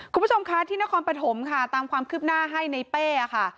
คุณผู้ชมคะที่นครปฐมค่ะตามความคืบหน้าให้ในเป้ค่ะ